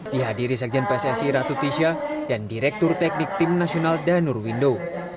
dihadiri sekjen pssi ratu tisha dan direktur teknik tim nasional danur window